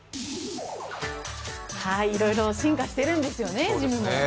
いろいろ進化しているんですよね、ジムも。